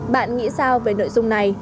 bạn nghĩ sao về nội dung này